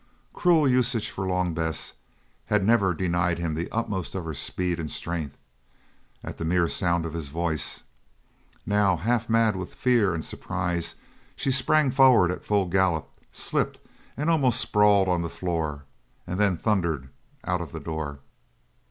Cruel usage, for Long Bess had never denied him the utmost of her speed and strength at the mere sound of his voice. Now, half mad with fear and surprise, she sprang forward at full gallop, slipped and almost sprawled on the floor, and then thundered out of the door.